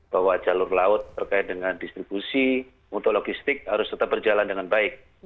bahwa jalur laut terkait dengan distribusi untuk logistik harus tetap berjalan dengan baik